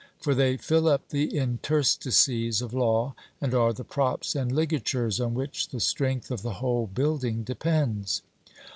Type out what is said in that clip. For they fill up the interstices of law, and are the props and ligatures on which the strength of the whole building depends.